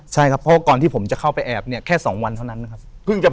ใช่ครับเพราะว่าก่อนที่ผมจะเข้าไปแอบเนี่ยแค่๒วันเท่านั้นนะครับ